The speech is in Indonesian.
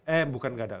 eh bukan gak ada